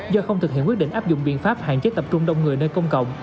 do không thực hiện quyết định áp dụng biện pháp hạn chế tập trung đông người nơi công cộng